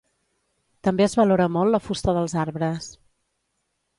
També es valora molt la fusta dels arbres.